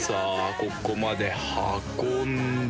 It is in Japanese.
ここまで運んだ